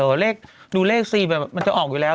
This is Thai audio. เลยเลขดูเลข๔มันจะออกอยู่แล้ว